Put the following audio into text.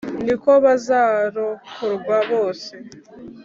ni ko bazarokorwa bose